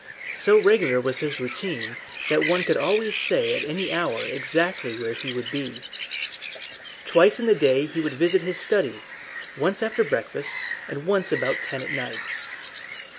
So regular was his routine that one could always say at any hour exactly where he would be. Twice in the day he would visit his study, once after breakfast, and once about ten at night.